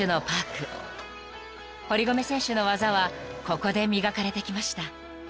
［堀米選手の技はここで磨かれてきました］